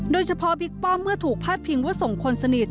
บิ๊กป้อมเมื่อถูกพาดพิงว่าส่งคนสนิท